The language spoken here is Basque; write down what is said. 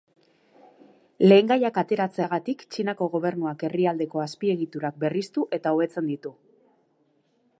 Lehengaiak ateratzeagatik Txinako gobernuak herrialdeko azpiegiturak berriztu eta hobetzen ditu.